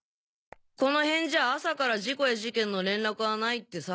この辺じゃ朝から事故や事件の連絡はないってさ。